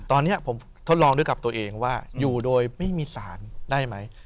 ตอนนี้ผมทดลองด้วยกับตัวเองว่าอยู่โดยไม่มีสารได้ไหม